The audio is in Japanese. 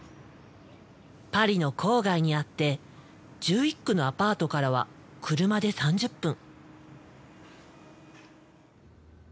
パリの郊外にあって１１区のアパートからは車で３０分。